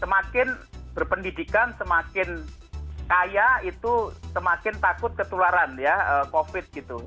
semakin berpendidikan semakin kaya itu semakin takut ketularan ya covid gitu